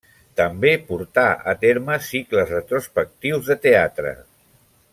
També portà a terme cicles retrospectius de teatre.